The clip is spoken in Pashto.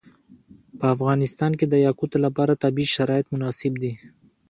په افغانستان کې د یاقوت لپاره طبیعي شرایط مناسب دي.